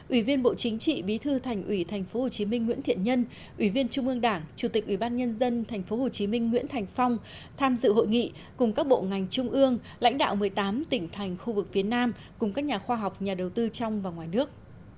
ủy viên bộ chính trị bí thư thành ủy tp hcm nguyễn thiện nhân ủy viên trung ương đảng chủ tịch ủy ban nhân dân tp hcm nguyễn thành phong tham dự hội nghị cùng các bộ ngành trung ương lãnh đạo một mươi tám tỉnh thành khu vực phía nam cùng các nhà khoa học nhà đầu tư trong và ngoài nước